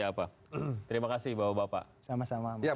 apa terima kasih bapak sama sama yang